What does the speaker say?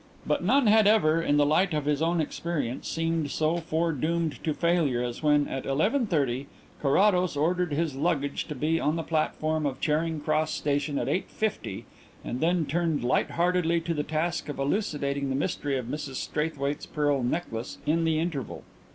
But none had ever, in the light of his own experience, seemed so foredoomed to failure as when, at eleven thirty, Carrados ordered his luggage to be on the platform of Charing Cross Station at eight fifty and then turned light heartedly to the task of elucidating the mystery of Mrs Straithwaite's pearl necklace in the interval.